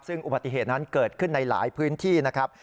ซึ่งอุบัติเหตุนั้นเกิดขึ้นในหลายพื้นที่นะครับ